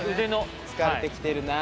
疲れて来てるな。